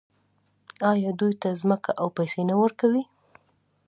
آیا دوی ته ځمکه او پیسې نه ورکوي؟